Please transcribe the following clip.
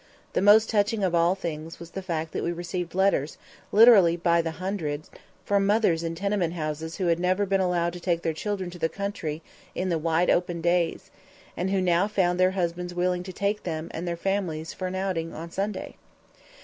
The most touching of all things was the fact that we received letters, literally by the hundred, from mothers in tenement houses who had never been allowed to take their children to the country in the wide open days, and who now found their husbands willing to take them and their families for an outing on Sunday.